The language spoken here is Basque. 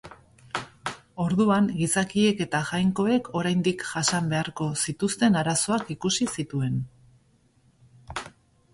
Orduan gizakiek eta jainkoek oraindik jasan beharko zituzten arazoak ikusi zituen.